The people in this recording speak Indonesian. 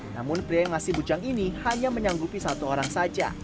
namun pria yang ngasih bujang ini hanya menyanggupi satu orang saja